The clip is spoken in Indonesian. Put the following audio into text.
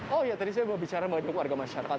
oh ya tadi saya mau bicara sama warga masyarakat